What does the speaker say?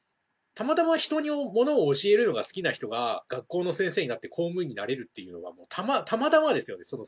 たまたま人にものを教えるのが好きな人が学校の先生になって公務員になれるっていうのはたまたまですよね。